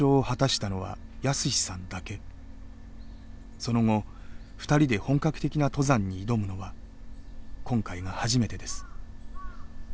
その後２人で本格的な登山に挑むのは今回が初めてです。